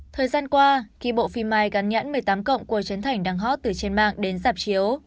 thời gian qua khi bộ phim i gắn nhãn một mươi tám cộng của trấn thành đăng hót từ trên mạng đến giạp chiếu